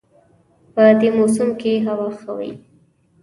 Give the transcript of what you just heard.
په دې موسم کې هوا ښه وي